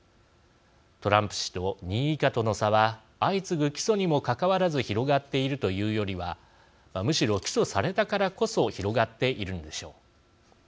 トランプ氏と２位以下との差は相次ぐ起訴にもかかわらず広がっていると言うよりはむしろ起訴されたからこそ広がっているのでしょう。